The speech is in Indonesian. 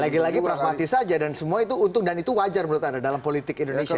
lagi lagi pragmatis saja dan semua itu untung dan itu wajar menurut anda dalam politik indonesia